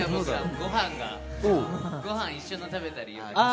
ご飯一緒に食べたり。